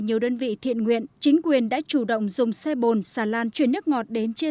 nhiều đơn vị thiện nguyện chính quyền đã chủ động dùng xe bồn xà lan chuyển nước ngọt đến chia